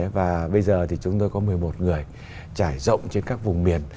và bây giờ thì chúng tôi có một mươi một người trải rộng trên các vùng miền